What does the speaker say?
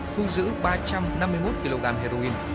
thu giữ ba trăm năm mươi một kg heroin